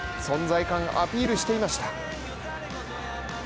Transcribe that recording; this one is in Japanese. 存在感をアピールしていました。